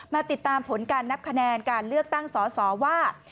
มาติดตามผลการนับคะแนนการเลือกตั้งสอสอว่า